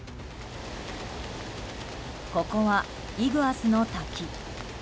ここは、イグアスの滝。